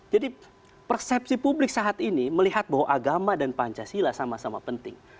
jadi persepsi publik saat ini melihat bahwa agama dan pancasila sama sama penting